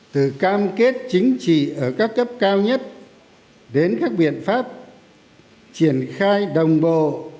từ cam kết chính trị ở các cấp cao nhất đến các biện pháp triển khai đồng bộ